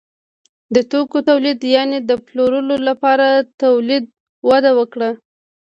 د توکو تولید یعنې د پلورلو لپاره تولید وده وکړه.